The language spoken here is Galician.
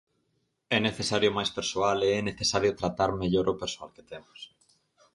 É necesario máis persoal e é necesario tratar mellor o persoal que temos.